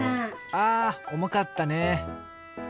あおもかったね。